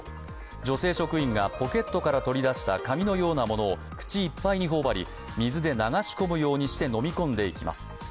女性職員がポケットから取り出した紙のようなものを口いっぱいに頬張り、水で流し込むようにして飲み込んでいきます。